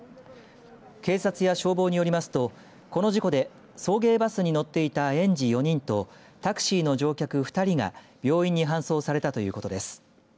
警察や消防によりますとこの事故で送迎バスに乗っていた園児４人とタクシーの乗客２人が病院に搬送されたということです。